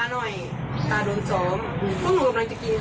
มารับตาหน่อยถูกซ้อมอยู่ตรงนี้ตรงนี้